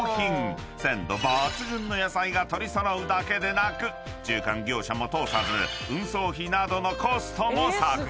［鮮度抜群の野菜が取り揃うだけでなく中間業者も通さず運送費などのコストも削減］